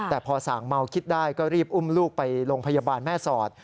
แต่พอส่างเมาคิดได้ก็รีบอุ้มลูกไปโรงพยาบาลแม่สอด